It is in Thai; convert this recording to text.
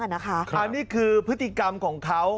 อันนี้คือพฤติกรรมของเขา